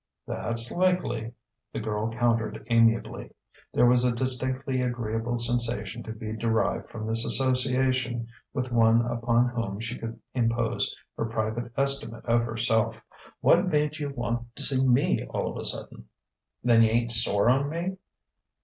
"That's likely," the girl countered amiably. There was a distinctly agreeable sensation to be derived from this association with one upon whom she could impose her private estimate of herself. "What made you want to see me all of a sudden?" "Then you ain't sore on me?"